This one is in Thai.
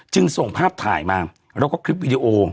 จึงส่งภาพถ่ายมาแล้วก็คลิปวิดีโอ